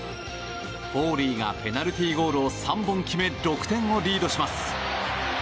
フォーリーがペナルティーゴールを３本決め６点をリードします。